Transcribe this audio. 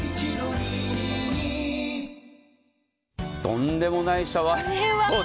とんでもないシャワーヘッド。